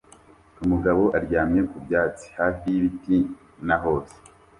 Umugabo aryamye ku byatsi hafi y'ibiti na hose